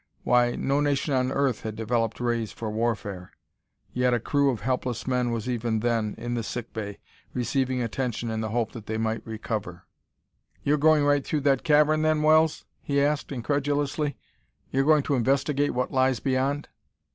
Why, no nation on earth had developed rays for warfare! Yet a crew of helpless men was even then in the sick bay, receiving attention in the hope that they might recover. "You're going right through that cavern, then, Wells?" he asked incredulously. "You're going to investigate what lies beyond?"